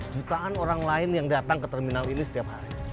jutaan orang lain yang datang ke terminal ini setiap hari